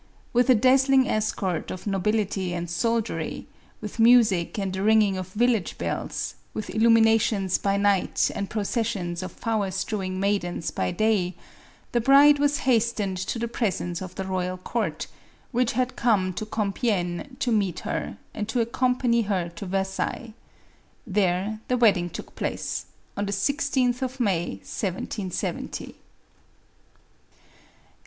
With a dazzling escort of nobility and soldiery, with music and the ringing of village bells, with illumina tions by night and processions of flower strewing maid ens by day, the bride was hastened to the presence of the royal court, which had come to Compiegne to meet her, and to accompany her to Versailles. There the wedding took place, on the 16th of May, 1770. The 452 MARIE ANTOINETTE.